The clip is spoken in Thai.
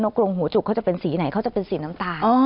กรงหัวจุกเขาจะเป็นสีไหนเขาจะเป็นสีน้ำตาล